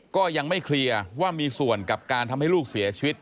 ก็ยังไม่เคลียร์ว่ามีส่วนกับการทำให้ลูกเสียชีวิต